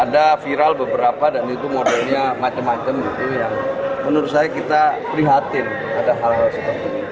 ada viral beberapa dan itu modelnya macam macam gitu yang menurut saya kita prihatin ada hal hal seperti ini